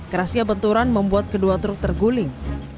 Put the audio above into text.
kerasnya benturan membuat kedua truk terguling